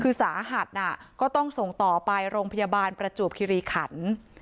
คือสาหัสก็ต้องส่งต่อไปโรงพยาบาลประจวบคิริขัน